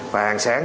và hàng sáng